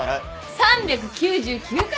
３９９回目！